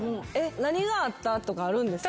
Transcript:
何があったとかあるんですか？